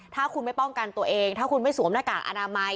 ถ้าคุณไม่ป้องกันตัวเองถ้าคุณไม่สวมหน้ากากอนามัย